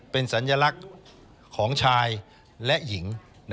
เป็นสัญลักษณ์ของชายและหญิง